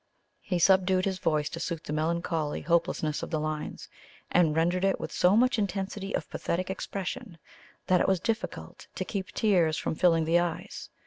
He subdued his voice to suit the melancholy hopelessness of the lines, and rendered it with so much intensity of pathetic expression that it was difficult to keep tears from filling the eyes.